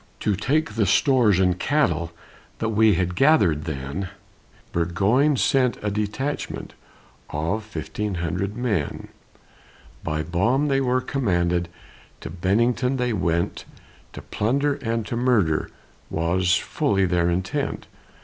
To take the stores and cattle That we had gathered then, Burgoyne sent a detachment Of fifteen hundred men; By Baum they were commanded, To Bennington they went; To plunder and to murder Was fully their intent.